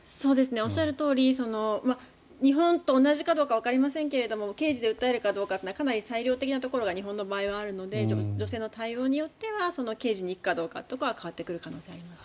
おっしゃるとおり日本と同じかどうかわかりませんが刑事で訴えるかどうかというのはかなり裁量的なところが日本の場合はあるので女性の対応によっては刑事に行くかどうか変わってくる可能性があります。